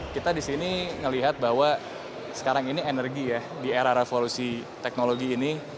kita di sini melihat bahwa sekarang ini energi ya di era revolusi teknologi ini